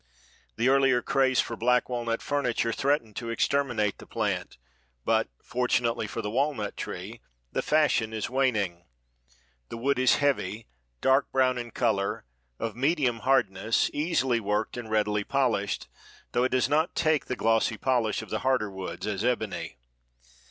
The earlier craze for black walnut furniture threatened to exterminate the plant, but fortunately (for the walnut tree) the fashion is waning. The wood is heavy, dark brown in color, of medium hardness, easily worked and readily polished, though it does not take the glossy polish of the harder woods, as ebony.